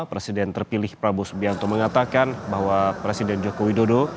presiden terpilih prabowo subianto mengatakan bahwa presiden joko widodo